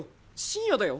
深夜だよ？